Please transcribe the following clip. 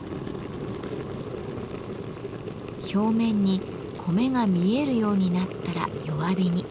表面に米が見えるようになったら弱火に。